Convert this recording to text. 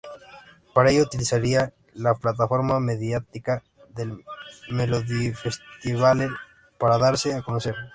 Para ello, utilizarían la plataforma mediática del Melodifestivalen para darse a conocer.